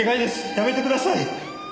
やめてください。